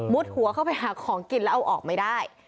หัวเข้าไปหาของกินแล้วเอาออกไม่ได้